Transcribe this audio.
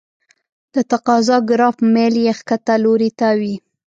د تقاضا ګراف میل یې ښکته لوري ته وي.